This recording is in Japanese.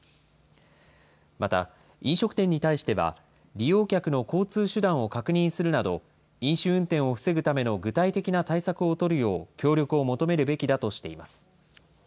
また、飲食店に対しては、利用客の交通手段を確認するなど、飲酒運転を防ぐための具体的な対策を取るよう、協力を求めるべきだとしています。